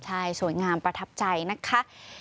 ใช่สวยงามประทับใจนะคะ